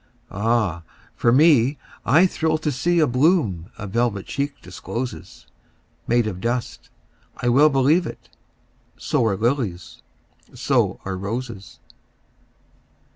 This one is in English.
Ah, for me, I thrill to seeThe bloom a velvet cheek discloses, Made of dust—I well believe it! So are lilies, so are roses!